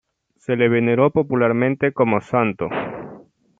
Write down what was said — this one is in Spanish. Se le veneró popularmente como santo.